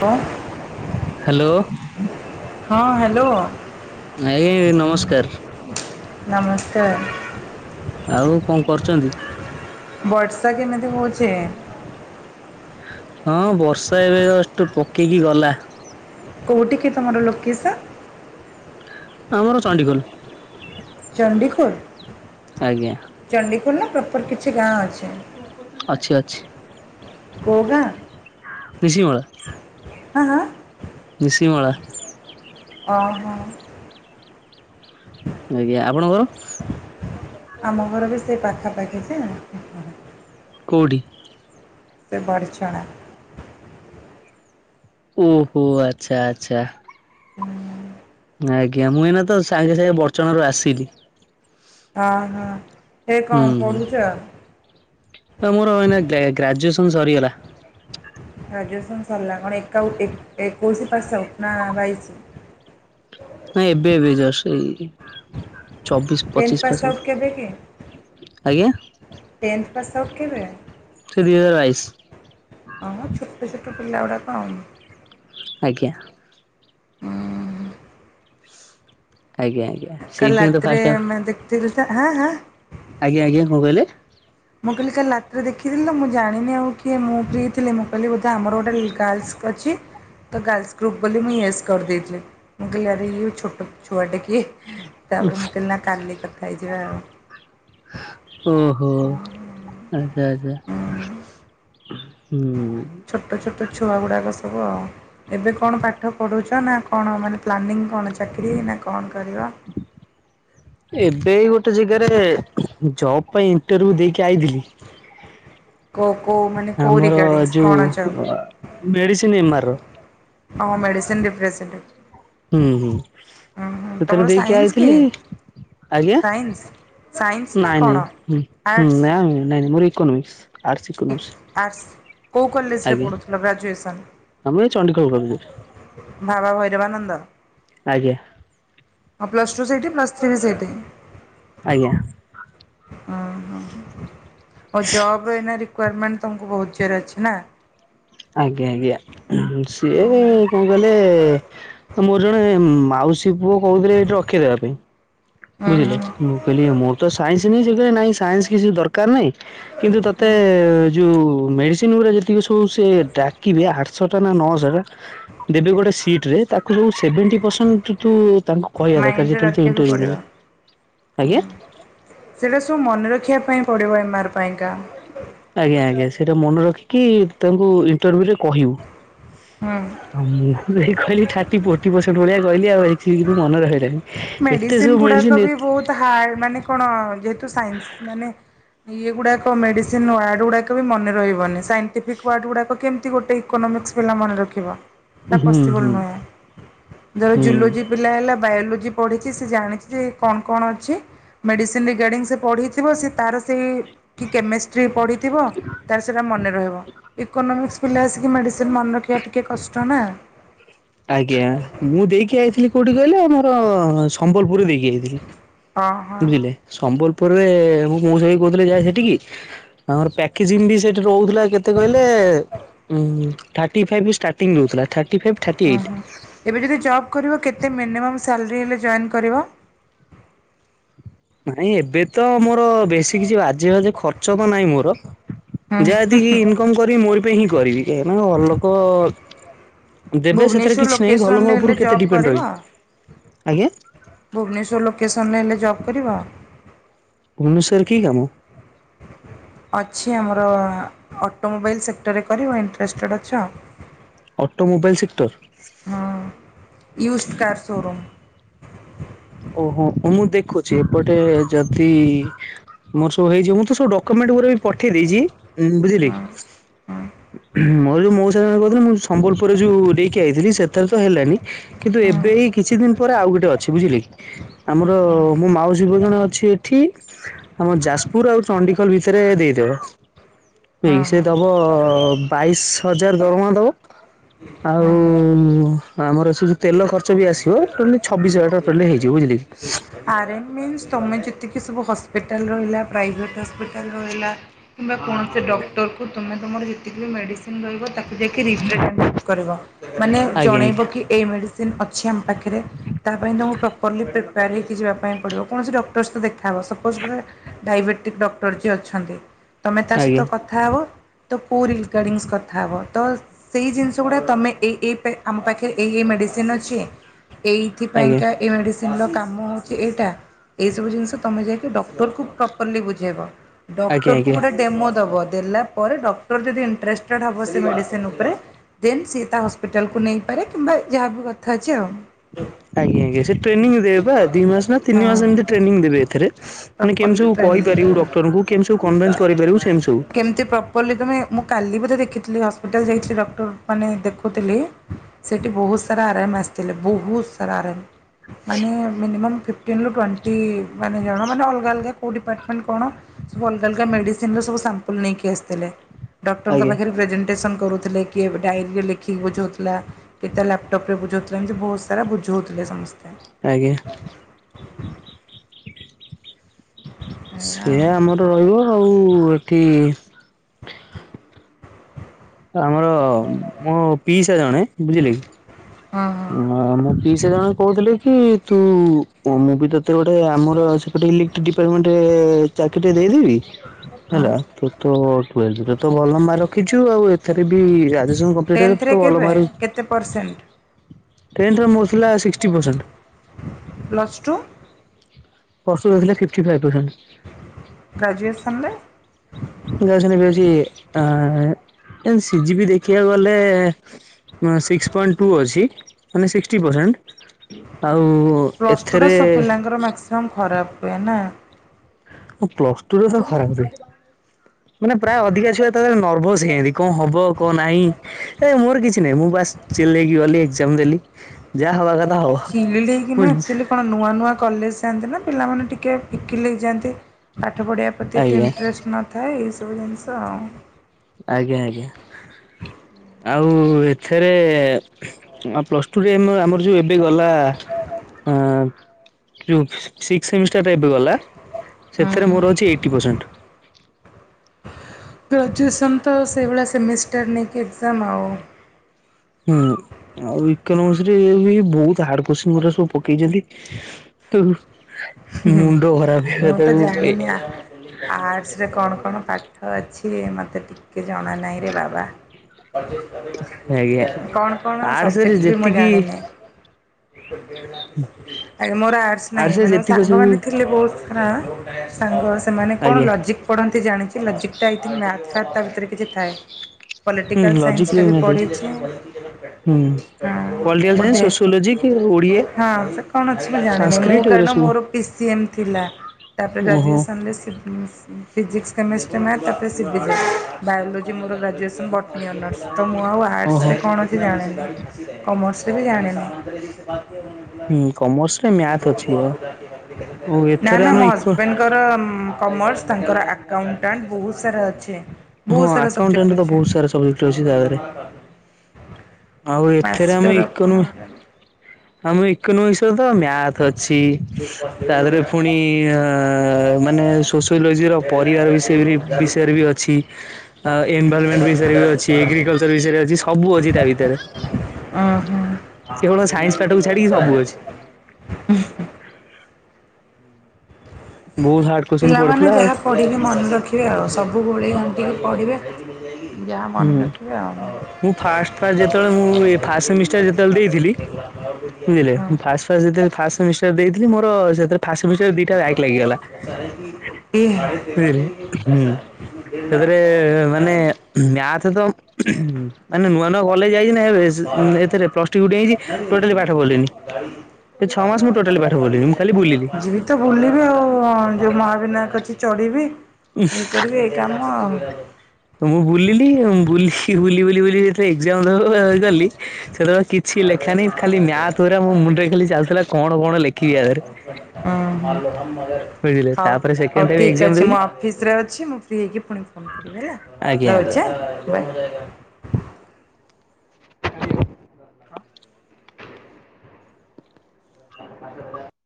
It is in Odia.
ହ ହ୍ୟାଲୋ ହଁ ହାଲୋ ଆଜ୍ଞା ନମସ୍କାର। ନମସ୍କାର ଆଉ କଣ କରୁଛନ୍ତି ବର୍ଷା କେମିତି ହଉଛି ହଁ ବର୍ଷା ଏବେ ଜଷ୍ଟ ପକେଇକି ଗଲା କୋଉଠି କି ତମର ଲୋକେସନ୍ ଆମର ଚଣ୍ଡିଖୋଲ ଚଣ୍ଡିଖୋଲ ଆଜ୍ଞା ଚଣ୍ଡିଖୋଲ ନା ପ୍ରପର କିଛି ଗାଁ ଅଛି ଅଛି ଅଛି କୋଉ ଗାଁ କୃଷିମଳା ହାଁ ହାଁ କୃଷିମଳା ଓହୋ ଆଜ୍ଞା ଆପଣଙ୍କର ଆମ ଘର ବି ସେଇ ପାଖାପାଖି ଯେ କୋଉଠି ସେ ବଡ଼ଚଣା ଓହୋ ଆଚ୍ଛା ଆଚ୍ଛା ହୁଁ ଆଜ୍ଞା ମୁଁ ଏଇନା ତ ସାଙ୍ଗେ ସାଙ୍ଗେ ବଡ଼ଚଣାରୁ ଆସିଲି ହଁ ହଁ ହେ କଣ ପଢୁଛ ତ ମୋର ଏଇନା ଗ୍ରା ଗ୍ରାଜୁଏସନ ସରିଗଲା ଗ୍ରାଜୁଏସନ୍ ସରିଲା ଏକା ଏକୋଇଶି ପାସ୍ ଆଉଟ ନା ବାଇଶ ନା ନା ଏବେ ଏବେ ଜଷ୍ଟ ଏଇ ଚବିଶ ଟେନ୍ଥ ପଚିଶ ପାସ୍ ଆଉଟ୍ ପାର୍ଶକ ଆଜ୍ଞା ଟେନ୍ ପାସ୍ ଆଉଟ୍ କେବେ ସେ ଦିଇ ହଜାର ବାଇଶ ଓ ହୋ ଛୋଟ ଛୋଟ ପିଲ ଗୁଡ଼ାକ ଆଜ୍ଞା। ହୁଁ। ଆଜ୍ଞା ଆଜ୍ଞା ସେଇଥିପାଇଁ ତ ଫାଷ୍ଟ ଅଫ୍ ତିରିଶି ଟା ହାଁ ହାଁ। ଆଜ୍ଞା ଆଜ୍ଞା କ କହିଲେ? ମୁଁ କହିଲି କାଲି ରାତିରେ ଦେଖିଥିଲି ତ ମୁଁ ଜାଣିନି ଆଉ କିଏ ମୁଁ ଫ୍ରି ଥିଲି ମୁଁ କହିଲି ବୋଧେ ଆମର ଗଟେ ଗାର୍ଲସ। ଅଛି। ତ ଗାର୍ଲସ୍ ଗ୍ରୁପ୍ ବୋଲି ମୁଁ ୟସ୍ କରିଦେଇଥିଲି ମୁଁ କହିଲି ଆରେ ଇଏ ଛୋଟ ଛୁଆଟା କିଏ? ତାପରେ ମୁଁ କହିଲି ନା କାଲି କଥା ହେଇଯିବ ଆଉ। ଓହୋ ଆଚ୍ଛା ଆଚ୍ଛା। ହୁଁ। ଛୋଟ ଛୋଟ ଛୁଆ ଗୁଡ଼ାକ ସବୁ ଆଉ। ଏବେ କଣ ପାଠ ପଢୁଛ ନା କଣ ମାନେ ପ୍ଲାନିଂ କଣ ଚାକିରି ନା କଣ କରିବା? ଏବେ ଗୋଟେ ଜାଗାରେ ଜବ୍ ପାଇଁ ଇଣ୍ଟର ଭ୍ୟୁ ଦେଇକି ଆଇଥିଲି। କୋ କୋ ମାନେ କୋଉ ଆମର ରିଗାର୍ଡିଙ୍ଗସ୍ ଯୁ କଣ ଅଛି ଆ ମେଡିସିନ ଏମ ଆର ର। ଅ ମେଡିସିନି ଡିପ୍ରେସେଟେଡ୍। ହୁଁ ହୁଁ ସେଥିରେ ତମର ଦେଇକି ସାଇନ୍ସ ଆଇଥିଲି। କି? ଆଜ୍ଞା ସାଇନ୍ସ ସାଇନ୍ସ ନା ନାଇଁ ନାଇଁ କଣ? ହୁଁ ହୁଁ ଆର୍ଟସ୍ ନା ନାଇଁ ନାଇଁ ମୋର ଇକୋନମିକ୍ସ। RC economics. ଆସ୍ କେଉଁ କଲେଜରେ ଆଜ୍ଞା ପଢ଼ୁଥୁଲ ଗ୍ରାଜୁଏସନ୍? ଆମର ଏଇ ଚଣ୍ଡିଖୋଲ କଲେଜରେ ବାବା ଭୈରବା ଆନନ୍ଦ। ଆଜ୍ଞା। ହଁ ପ୍ଲସ୍ ଟୁ ସେଇଠି ପ୍ଲସ୍ ଥ୍ରୀ ବି ସେଇଠି। ଆଜ୍ଞା। ହୋ। ଓ ଜବ୍ ଏଇନା ରିକ୍ୱାରମେଣ୍ଟ ତମକୁ ବହୁତ୍ ଜୋରେ ଅଛି ନା। ଆଜ୍ଞା ଆଜ୍ଞା ସିଏ କ କହିଲେ ମୋର ଜଣେ ମାଉସୀ ପୁଅ କହୁଥିଲେ ଏଇଠି ରଖିଦେବା ପାଇଁ। ହୁଁ ବୁଝିଲେ ହୁଁ ମୁଁ କହିଲି ମୋର ତ ସାଇନ୍ସି ନେଇଛି ନାଇଁ କଲେ ସାଇନ୍ସି କିଛି ଦରକାର ନାହିଁ। କିନ୍ତୁ ତତେ ଯୋଉ ମେଡିସିନ୍ ଗୁରା ଯେତିକି ସବୁ ସେ ଡାକିବେ ଆ ଶଡନା ନଅହଜାର ଟା ଦେବେ ଗୋଟେ ସିଟ୍ ରେ ତାକୁ ଯୋ ସେଭେଣ୍ଟି ପରସେଣ୍ଟ କିନ୍ତୁ ତାଙ୍କୁ କହିବା ଦରକାର ମାଇଣ୍ଡରେ ଯେତେବେଳେ ତୁ ରଖିବାକୁ ଇଣ୍ଟରଭ୍ୟୁ ପଡ଼ିବ। ନେବେ ଆଜ୍ଞା। ସେଇଟା ସବୁ ମନେ ରଖିବା ପାଇଁ ପଡ଼ିବ ଏମାର୍ ପାଇଁ କା। ଆଜ୍ଞା ଆଜ୍ଞା ସେଇଟା ମନେ ରଖିକି ତାଙ୍କୁ ଇଣ୍ଟରଭି୍ୟୁରେ କହିବୁ। ହୁଁ। ହଁ ମୁଁ ଏ କହିଲି ଥାର୍ଟି ଫୋର୍ଟି ପରସେଣ୍ଟ ଭଳିଆ କହିଲି ଆଉ ଏଇ କି ମନେ ରହେ ନାହିଁ। ମେଡ଼ିସିନ ଗୁଡ଼ାକ ବି ବହୁତ୍ ହାର୍ଡ଼ ମାନେ କଣ ଯେହେତୁ ସାଇନ୍ସ ମାନେ ଇଏ ଗୁଡାକ ମେଡିସିନ ୱାର୍ଡ ଗୁଡାକ ବି ମନେ ରହିବନି ସାଇଣ୍ଟିଫିକ୍ ୱାର୍ଡ ଗୁଡାକ କେମିତି ଗୋଟେ ଇକୋନୋମିକ୍ସ ପିଲା ମନେ ରଖିବ ତା ହୁଁ ପସିବୁଲ୍ ହୁଁ ନୁହଁ ଯା ହୁଁ। ଜୁଲୋଜି ପିଲା ହେଲା ବାୟୋଲୋଜି ପଢ଼ିଛି ସେ ଜାଣିଛି ଯେ କଣ କଣ ଅଛି? ମେଡିସିନ ରିଗାର୍ଡିଙ୍ଗ ସେ ପଢ଼ିଥିବ ସେ ତାର ସେଇ କି କେମିଷ୍ଟ୍ରି ପଢି ଥିବ ତାଲେ ସେଟା ମନେ ରହିବ ଇକୋନୋମିକ୍ସ ପିଲା ଆସିକି ମେଡ଼ିସିନ ମନେ ରଖିବା ଟିକେ କଷ୍ଟ ନା। ଆଜ୍ଞା ମୁଁ ଦେଇକି ଆଇଥିଲି କୋଉଠି କହିଲେ ମୋର ସମ୍ବଲପୁର ଦେଇକି [inaudible] ହଁ ହଁ ବୁଝିଲେ ସମ୍ବଲପୁରରେ ମୁଁ ମୋଉସା କହୁଥିଲି ଯାଏ ହେଠିକି। ଆମର ପ୍ୟାକେଜିଂ ବି ସେଠି ରହୁଥିଲା କେତେ କହିଲେ ଥାଟି ଫାଇପ୍ ଷ୍ଟାର୍ଟିଙ୍ଗ୍ ରହୁଥିଲା ଥାଟି ଫାଇପ୍ ଓହୋ ଏବେ ଯଦି ଜବ୍ କରିବ କେତେ ମିନିମମ୍ ସାଲରୀ ହେଲେ ଜଏନ୍ କରିବ? ନାଇଁ ଏବେ ତ ମୋର ବେଶୀ କିଛି ବାଜେ ବାଜେ ଖର୍ଚ୍ଚ ତ ନାହିଁ ମୋର ଯାହା ଯେତିକି ଇନକମ୍ କରିବି ମୋରି ପାଇଁ ହିଁ କରିବି କାହିଁକିନା ଅ- ଲୋକ ଦେବେ ସେଥିରେ ଭୁବନେଶ୍ୱର କିଛି ନାହିଁ ଲୋକେସନରେ ଘରଲୋକଙ୍କ ହେଲେ ଉପରୁ କେତେ ଜବ୍ ଡିପେଣ୍ଡ କରିବ? ରହିବି-ଆଜ୍ଞା। ଭୁବନେଶ୍ୱର୍ ଲୋକେସନ୍ ହେଲେ ଜବ୍ କରିବ? ଭୁବନେଶ୍ଵର ରେ କି କାମ? ଅଛି ଆମର ଅଟୋମୋବାଇଲ୍ ସେକ୍ଟର୍ ରେ କରିବ ଇଣ୍ଟେର୍ଷ୍ଟେଡ୍ ଅଛ? Automobile sector. ହଁ ୟୁଷ୍ଟ କାର୍ ଶୋରୁମ୍। ଓହୋ ମୁଁ ଦେଖୁଚି ଏପଟେ ଯଦି ମୋର ସବୁହେଇଯିବ ମୁଁ ତ ସବୁ ଡକ୍ୟୁମେଣ୍ଟ ଗୁରା ବି ପଠେଇ ଦେଇଚି ହୁଁ ବୁଝିଲେ ମୋର ବି [unintelligible] ମୁଁ ସମ୍ବଲପୁରରେ ଯଉ ଦେଇକି ଆଇଥିଲି ସେଥିରେ ତ ହେଲାନି କିନ୍ତୁ ହଁ ଏବେ ଏଇ କିଛି ଦିନ ପରେ ଆଉ ଗୋଟେ ଅଛି ବୁଝିଲେ। ଆମର ମୋ ହଁ ମାଉସି ପୁଅ ଜଣେ ଅଛି ଏଠି ଆମ ଯାଜପୁର୍ ଆଉ ଚଣ୍ଡିଖୋଲ୍ ଭିତରେ ଦେଇଦେବ। ଏଇ ସେ ହଁ ଦବ ବାଇଶ୍ ହଜାର୍ ଦରମା ଦବ ଆଉ ହଁ ହଁ। ଆମର [unintelligible] ତେଲ ଖର୍ଚ୍ଚ ବି ଆସିବ ଟୋଟାଲି ଛବିଶ୍ ହଜାର [unintelligible] ହେଇଯିବ। ଯି-ବୁଝିଲେ କି। ଆରେ ମିନ୍ସ୍ ତମେ ଯେତିକି ସବୁ ହସ୍ପିଟାଲ୍ ରହିଲା ପ୍ରାଇଭେଟ୍ ହସ୍ପିଟାଲ୍ ରହିଲା କିମ୍ବା କୌଣସି ଡକ୍ଟର କୁ ତମେ ତମର ଯେତିକି ବି ମେଡିସିନ୍ ରହିବ ତାକୁ ଦେଖିଦେଇଚି [unintelligible] ମାନେ ଆଜ୍ଞା ଜଣେଇବ କି ଏଇ ମେଡ଼ିସିନ୍ ଅଛି ଆମ ପାଖେରେ ତା ପାଇଁ ତମକୁ ପ୍ରପର୍ଲି ପ୍ରିପେୟାର୍ ହେଇକି ଯିବା ପାଇଁ ପଡ଼ିବ କୌଣସି ଡ ଡକ୍ଟର ସହିତ ଦେଖାହେବ ସପୋଜ୍ ଗୋଟେ ଡାଇବେଟିକ୍ ଡକ୍ଟର ଯିଏ ଅଛନ୍ତି ତମେ ତା ଆଜ୍ଞା ସହିତ ଆଜ୍ଞା କଥ୍ କଥା ହବ ତ ପୁ- ରିକାର୍ଡିଙ୍ଗସ୍ କଥା ହବ ତ ସେଇ ଜିନିଷ ଗୁଡ଼ା ତମେ ଏଇ ଏଇ ଆମ ପାଖେ ଏଇ ଏଇ ମେଡ଼ିସିନ୍ ଅଛି ଆଜ୍ଞା ଏଇଥିପାଇଁକା ଏ ମେଡିସିନ୍ ର କାମ ହଉ ଯେ ଏଇଟା ଏଇସବୁ ଜିନିଷ ତମେ ଯାଇକି ଡକ୍ଟରକୁ ପ୍ରପର୍ଲି ବୁଝେଇବ ଆଜ୍ଞା ଡକ୍ଟର୍ କୁ ଆଜ୍ଞା ଗୋଟେ ଡେମୋ ଦବ ଦେଲା ପରେ ଡକ୍ଟର୍ ଯଦି ଇଣ୍ଟେର୍ଷ୍ଟେଡ୍ ହବ ସେ ମେଡ଼ିସିନ୍ ଉପରେ ଦେନ୍ ସିଏ ତା ହସ୍ପିଟାଲକୁ ନେଇପାରେ କିମ୍ବା ଯାହାବି କଥା ଅଛି ଆଉ। ଆଜ୍ଞା ଆଜ୍ଞା ସେ ଟ୍ରେନିଂ ଦେବେ ପା ଡିଉ ଦି ମାସେ ନା ତିନି ମାସେ ଏମିତି ହଁ। ଟ୍ରେନିଙ୍ଗ୍ ଦେବେ ଏଥେରେ ମାନେ କେମିତି ପ୍ରପର୍ଲି ସବୁ ଟ୍ରେନିଂ କହିପାରିବୁ ଡକ୍ଟରଙ୍କୁ [unintelligible] କେମିତି ପ୍ର ପଲି ତମେ ମୁଁ କାଲି ବୋଧେ ଦେଖିଥିଲି ହସ୍ପିଟାଲ ଯାଇଥିଲି ଡକ୍ଟର ମାନେ ଦେଖୁଥିଲି ସେଇଠି ବହୁତ୍ ସାରା ଆରାଏମ୍ ଆସିଥିଲେ ବହୁତ ସାରା ଆରାଏମ୍ ମାନେ ମିନିମମ୍ କିନ୍ତୁ ଟ୍ୱେଣ୍ଟି ମାନେ ଜଣ ମାନେ ଅଲଗା ଅଲଗା କଉ ଡିପାର୍ଟମେଣ୍ଟ୍ କଣ ସବୁ ଅଲଗା ଅଲଗା ମେଡ଼ିସିନ୍ ର ସବୁ ସାମ୍ପଲ୍ ନେଇକି ଆସିଥିଲେ। ଡକ୍ଟରଙ୍କ ଆଜ୍ଞା। ପାଖେରେ ପ୍ରେଜେଣ୍ଟେସନ୍ କରୁଥିଲେ କିଏ ଡାଏରୀରେ ଲେଖିକି ବୁଝଉଥିଲା। କିଏ ତା ଲ୍ୟାପଟପ୍ ରେ ବୁଝଉଥିଲେ ଏମିତି ବହୁତ ସାରା ବୁଝଉଥିଲେ ସମସ୍ତେ ଆଜ୍ଞା। ହେଲା ସିଏ ଆଉ ଆମର ରହିବ ଆଉ ଏଠି ଆମର ମୋ ପିଇସା ଜଣେ ବୁଝିଲେ କି ହଁ। ହଁ। ମୋ ପିସା ଜଣେ କହୁଥିଲେ କି ତୁ ମୁଁ ବି ତତେ ଗୋଟେ ଆମର ସେପଟେ ଇଲେ ଡିପାର୍ମେଣ୍ଟରେ ଚାକିରି ଟେ ଦେଇଦେବି ହଁ। ହେଲା ତୁ ତ [unintelligible] ତ ଭଲ ମାର୍କ ରଖିଚୁ ଆଉ ଏଥିରେ ବି ରାଜେଶଙ୍କ ସେଟାରେ ଟେନ୍ଥରେ ତ ଭଲ କେବେ ମାର୍କ ରଖ କେତେ ପରସେଣ୍ଟ? ଟେନ୍ଥ ରେ ମୋ ଥିଲା sixty percent. Plus two? Plus two ରେ ଥିଲା ଫିପିଟି ଫାଇବ୍ ପରସେଣ୍ଟ। ଗ୍ରାଜୁଏସନ୍ ରେ? ଗାଜୁଏସନ୍ ବି ଅଛି ଆଁ ସିଝିବି ଦେଖିବାକୁ ଗଲେ ମାନେ ସିକ୍ସ ପଏଣ୍ଟ ଟୁ ଅଛି ମାନେ ଶିକ୍ଷ୍ଟି ପରସେଣ୍ଟ ଆଉ ପ୍ଲଷ୍ଟ ଟୁ ଟା ଏଥିରେ ସବୁ ପିଲାଙ୍କର ମା୍ୟାକ୍ସିମମ୍ ଖରାପ ହୁଏ ନା। ହଁ ପ୍ଲସ୍ ଟୁ ରେ ତ ଖରାପ ହୁଏ। ମାନେ ପ୍ରାୟ ଅଧିକା ଛୁଆ ତାଦେହେରେ ନର୍ଭସ୍ ହେଇଜାନ୍ତି କଣ ହବ କଣ ନାହିଁ। ଏ ମୋର କିଛି ନାହିଁ ମୁଁ ବାସ୍ ଚିଲ୍ଲୀ ଲେଇକି ଗଲି ଏକ୍ଜାମ ଦେଲି। ଯାହା ହବା କଥା ହବ ଚିଲିଡ୍ ହେଇକି ବୁଝ ନୁହେଁ ଆକ୍ଚୁଆଲି କଣ ନୂଆ ନୂଆ କଲେଜ ଯାଆନ୍ତି ନା ପିଲାମାନେ ଟିକେ ଫିକିଲ୍ ଲାଗଯାଆନ୍ତି। ପାଠ ପଢ଼ିବା ପ୍ରତି ଏତେ ଆଜ୍ଞା ଇଣ୍ଟରେଷ୍ଟ ନଥାଏ ଏଇସବୁ ଜିନିଷ ଆଉ। ଆଜ୍ଞା ଆଜ୍ଞା ଆଉ ଏଥେରେ ଆଁ ପ୍ଲସ୍ ଟୁରେ ମ୍ ଆମର ଯୋଉ ଏବେ ଗଲା ଆଁ ଯୋଉ ସିକ୍ସ ସେମିଷ୍ଟାର୍ ଏବେ ଗଲା ସେଥିରେ ମୋର ଅଛି ଏଇଟି ପରସେଣ୍ଟ। ଗ୍ରାଜୁଏସନ୍ ତ ସେଇଭଳିଆ ସେମିଷ୍ଟର୍ ନେଇକି ଏକ୍ଜମ୍ ଆଉ। ହୁଁ। ଆଉ ଇକୋନୋମିକସ୍ ରେ ବି ବହୁତ ହାର୍ଡ କୋସ୍ଚୀନ ଗୁରା ସବୁ ପକେଇଚନ୍ତି। ମୁଣ୍ଡ ଖରାପ ହେ ତାକୁ ଏ ଆର୍ଟସ୍ ରେ କଣ କଣ ପାଠ ଅଛି ମୋତେ ଟିକେ ଜଣା ନାହିଁରେ ବାବା। ଆଜ୍ଞା। କଣ କଣ ଆର୍ଟସରେ ସବଜେକ୍ଟ ବି ମୁଁ ଯେତିକି ଜାଣିନି। ଆରେ ମୋର ଆର୍ଟସ୍ ନାହିଁ ଆର୍ଟସରେ ମାନେ ମୋ ସା ଯେତିକି ସବୁ ସାଙ୍ଗମାନେ ଥିଲେ ବହୁତ ସାରା ସାଙ୍ଗ ସେମାନେ କଣ ଆଜ୍ଞା ଲଜିକ୍ ପଢନ୍ତି ଜାଣିଚି ଲଜିକ୍ ଟା ଆଇ ଥିନଂ ମ୍ୟାଥ୍ ହା ତା ଭିତରେ କିଛି ଥାଏ। ହୁଁ ପଲିଟିକାଲ୍ ସାଇନ୍ସ ଲଜିକରେ ଟା ବି ମ୍ୟାଥ ଅଛି ପଢିଚି ହୁଁ। ହଁ। ପଲିଟିକାଲ ସାଇନ୍ସ, ବୋଧେ ସୋସିଓଲୋଜି, ଓଡ଼ିଆ, ହଁ ସେ କଣ ଅଛି ମୁଁ ଜାଣିନି ମୁଁ ସାଂସ୍କ୍ରିଟ ଏଗୁରା କାରଣ ସବୁ ମୋର ପି ସିଏମ୍ ଥିଲା ତାପରେ ଓହୋ ଗ୍ରାଜୁଏସନ୍ ରେ ସି ସି ଫିଜିକ୍ସ କେମିଷ୍ଟ୍ରି ମ୍ୟାଥ୍ ତାପରେ ସିବିଜି ବାୟୋଲୋଜି ମୋର ଗ୍ରାଜୁଏସନ୍ ବଟନୀ ଅନର୍ସ ତ ମୁଁ ଆଉ ଓହୋ। ଆର୍ଟସରେ କଣ ଅଛି ଜାଣିନି କମର୍ସରେ ବି ଜାଣିନି। ହୁଁ କମର୍ସରେ ମ୍ୟାଥ ଅଛି ଥିବ। ନା ନା ମୋ ହଜବେଣ୍ଡ୍ ତାଙ୍କର କମର୍ସ ତାଙ୍କର ଆକାଉଣ୍ଟାଣ୍ଟ ବହୁତ ସାରା ଅଛି। ହଁ ବହୁତ ସାରା ସବଜେକ୍ଟ ଆକାଉଣ୍ଟାଣ୍ଟ ତ ଅଛି। ବହୁତ ସାରା ସବଜେକ୍ଟ ଅଛି ତା ଦେହରେ ଆଉ ଏଥିରେ ଆମେ ମାଷ୍ଟର କଣ ଇକୋନୋମି ଗୋଟେ। ଆମ ଇକୋନୋମିକ୍ସ ରେ ତ ମ୍ୟାଥ ଅଛି। ତା ଦେହରେ ପୁଣି ଅ ମାନେ ସୋସିଓଲୋଜି ର ପରିବାର ବିଷୟ ବିଷୟରେ ବି ଅ ଛି ଆଉ ଏନଭାଇରମେଣ୍ଟ ବିଷୟରେ ବି ଅଛି କଣ ଏଗ୍ରିକଲଚର୍ ବିଷୟରେ ଅଛି ସବୁ ଅଛି ତା ଭିତରେ। କେବଳ ସାଇନ୍ସ ପାଠକୁ ଛାଡିକି ସବୁ ଅଛି ଓହୋ। ବହୁତ ହାର୍ଡ କୋଶ୍ଚିନ୍ ପିଲାମାନେ ପଡୁଥିଲା ଆଉ ଯାହା ପଢ଼ିକି ମନେ ରଖିବେ ଆଉ, ସବୁ ଗୋଳେଇ ଘାଣ୍ଟିକି ପଢ଼ିବେ ଯାହା ମନେ ହୁଁ। ରଖିବେ ଆଉ। ମୁଁ ଫାଷ୍ଟ ଫାଷ୍ଟ ଯେତେବେଳେ ମୁଁ ଫାଷ୍ଟ ସେମିଷ୍ଟାର ହଁ। ଫାଷ୍ଟ-ଫାଷ୍ଟ [unintelligible] ଫାଷ୍ଟ ସେମିଷ୍ଟାର୍ ଦେଇଥିଲି ମୋର [unintelligible] ଫାଷ୍ଟ ସେମିଷ୍ଟାର୍ ରେ ଦିଟା ଵ୍ୟାକ୍ ଲାଗିଗଲା। ବୁଝିଲେ ହୁଁ ସେଥିରେ [inaudible] ମାନେ ମ୍ୟାଥେ ତ ମାନେ ନୂଆ-ନୂଆ କଲେଜ୍ ଯଇଚି ନା ଏବେ ଉଁ ଏଥେରେ [unintelligible] ହେଇଚି ଟୋଟାଲି ପାଠ ପଢିଲିନି। ସେ ଛଅ ମାସ୍ ମୁଁ ଟୋଟାଲି ପାଠ ପଢ଼ିଲିନି, ମୁଁ ଖାଲି ବୁଲିଲି। ଯିବି ତ ବୁଲିବି ଆଉ ଯୋଉ ମହାବିନାୟକ ଅଛି ଚଢିବି ଇଏ କରିବି ଏଇ କାମ ଆଉ। ମୁଁ ବୁଲିଲି ବୁଲି-ବୁଲି-ବୁଲି-ବୁଲି ଯେତେଳେ ଏକ୍ଜାମ୍ ଦବାକୁ ଗଲି ସେତଳେ କି କିଛି ଲେଖା ନାହିଁ ଖାଲି ମ୍ୟାଥ ଗୁରା ମୋ ମୁଣ୍ଡେରେ ଖାଲି ଚାଲିଥେଲା କଣ-କଣ ଲେଖିବି ଆଧେରେ। ଅ ହଁ ତାପରେ ହଉ-ହଉ ସେକେଣ୍ଡ ଟାଇମ ଠିକ୍ ଏକ୍ଜାମ ଅଛି, ଦେଲି ମୁଁ ଅ ଫିସରେ ଅଛି ମୁଁ ଫ୍ରି ହେଇକି ପୁଣି ଫୋନ୍ କରିବି ହେଲା, ଆଜ୍ଞା ଆଜ୍ଞା ରହୁଚି ଆଁ ଆଜ୍ଞା। ବାଏ। କାରିଆ। [inaudible]